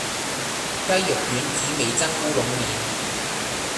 雞肉丸子味噌烏龍麵